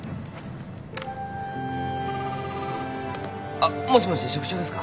あっもしもし職長ですか？